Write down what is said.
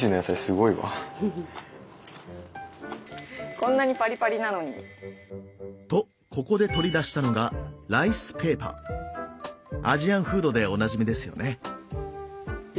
こんなにパリパリなのに。とここで取り出したのがアジアンフードでおなじみですよね。